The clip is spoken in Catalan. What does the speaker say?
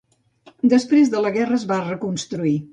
Després de la guerra es va reconstruir.